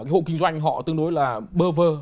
hộ kinh doanh họ tương đối là bơ vơ